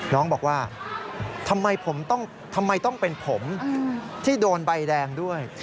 น้องบอกว่าทำไมต้องเป็นผมที่โดนใบแดงด้วย